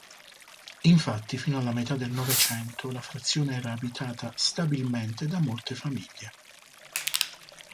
Infatti fino alla metà del Novecento la frazione era abitata stabilmente da molte famiglie.